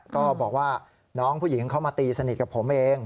ก็บอกว่าน้องผู้หญิงเขามาตีสนิทกับผมเอง